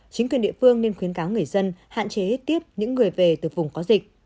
chính quyền địa phương nên khuyến cáo người dân hạn chế tiếp những người về từ vùng có dịch